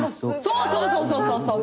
そうそうそうそう。